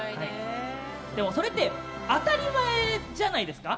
それって当たり前じゃないですか。